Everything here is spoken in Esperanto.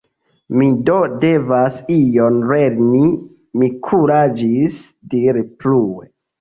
Mi do devas ion lerni, mi kuraĝis diri plue.